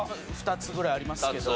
２つぐらいありますけど。